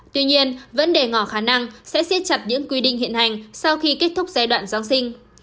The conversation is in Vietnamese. tuy nhiên vẫn để ngỏ khả năng sẽ siết chặt những quy định hiện hành sau khi kết thúc giai đoạn giáng sinh